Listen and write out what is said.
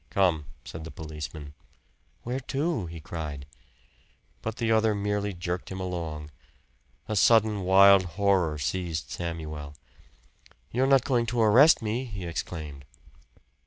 "Come," said the policeman. "Where to?" he cried. But the other merely jerked him along. A sudden wild horror seized Samuel. "You're not going to arrest me!" he exclaimed.